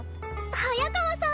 早川さん！